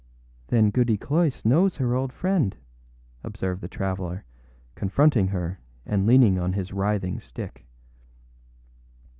âThen Goody Cloyse knows her old friend?â observed the traveller, confronting her and leaning on his writhing stick.